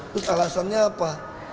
terus alasannya apa